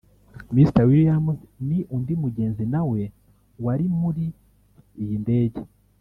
Mr Williams ni undi mugenzi nawe wari muri iyi ndege